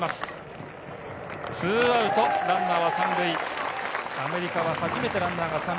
２アウト、ランナーは３塁。